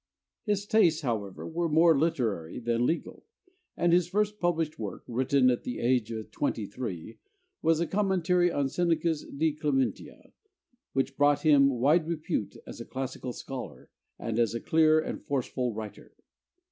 His tastes however were more literary than legal, and his first published work, written at the age of twenty three, was a commentary on Seneca's 'De Clementia,' which brought him wide repute as a classical scholar and as a clear and forceful writer.